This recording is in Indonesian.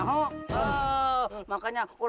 tidak ada air